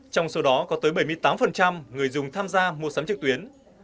trong số đó có tới bảy mươi tám người dùng tham gia mua sắm trực tuyến